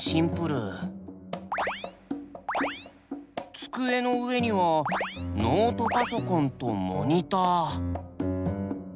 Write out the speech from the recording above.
机の上にはノートパソコンとモニター。